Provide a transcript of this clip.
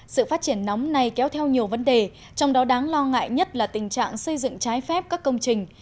sự phát triển nóng này kéo theo nhiều vấn đề trong đó đáng lo ngại nhất là tình trạng xây dựng trái phép các công trình